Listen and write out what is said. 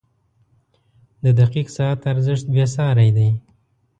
• د دقیق ساعت ارزښت بېساری دی.